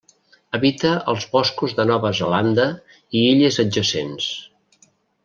Habita els boscos de Nova Zelanda i illes adjacents.